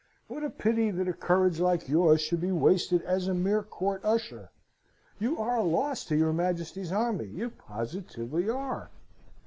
What a pity that a courage like yours should be wasted as a mere court usher! You are a loss to his Majesty's army. You positively are!"